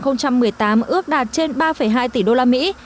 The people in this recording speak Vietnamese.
năm hai nghìn một mươi tám ước đạt trên ba hai tỷ đô la mỹ